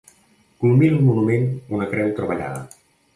Culmina el monument una creu treballada.